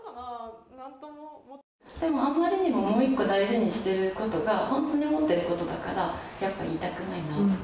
あまりにももう一個大事にしてることがほんとに思ってることだからやっぱ言いたくないなとか。